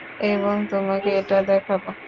এবং, তোমাকে এটা দেখাব!